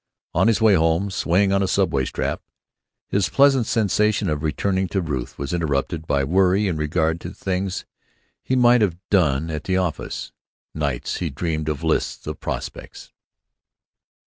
On his way home, swaying on a subway strap, his pleasant sensation of returning to Ruth was interrupted by worry in regard to things he might have done at the office. Nights he dreamed of lists of "prospects."